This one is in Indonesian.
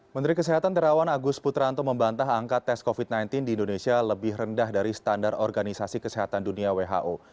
menteri kesehatan terawan agus putranto membantah angka tes covid sembilan belas di indonesia lebih rendah dari standar organisasi kesehatan dunia who